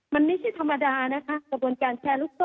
มันนี่ที่ธรรมดานะครับกระบวนการแชร์ลูกโต้